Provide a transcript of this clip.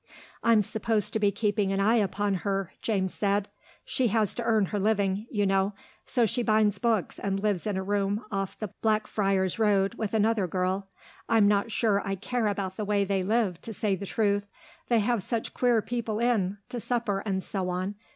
"I'm supposed to be keeping an eye upon her," James said. "She has to earn her living, you know, so she binds books and lives in a room off the Blackfriars Road with another girl.... I'm not sure I care about the way they live, to say the truth. They have such queer people in, to supper and so on.